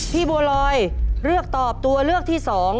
บัวลอยเลือกตอบตัวเลือกที่๒